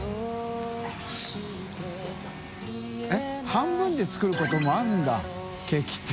半分で作ることもあるんだケーキって。